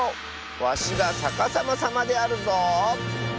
わしがさかさまさまであるぞ。